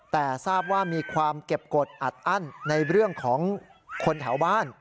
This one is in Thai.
แต่ทราบว่ามีความเก็บกฎอัดอั้นในเรื่องของคนแถวบ้าน